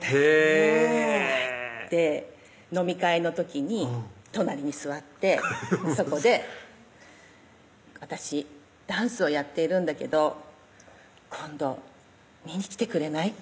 へぇ飲み会の時に隣に座ってそこで「私ダンスをやっているんだけど今度見に来てくれない？」